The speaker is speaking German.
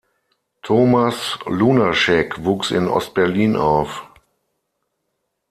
Thomas Lunacek wuchs in Ost-Berlin auf.